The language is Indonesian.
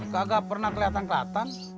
gak pernah kelihatan kelihatan